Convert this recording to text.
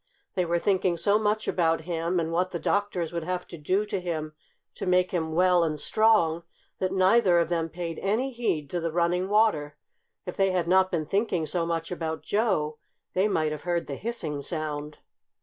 They were thinking so much about him, and what the doctors would have to do to him to make him well and strong, that neither of them paid any heed to the running water. If they had not been thinking so much about Joe they might have heard the hissing sound.